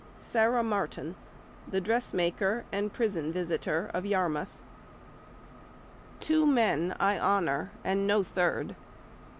IV SARAH MARTIN THE DRESSMAKER AND PRISON VISITOR OF YARMOUTH "Two men I honour and no third.